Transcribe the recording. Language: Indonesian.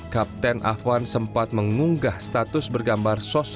kapten afwan sempat mengunggah status bergambar sosok superintensif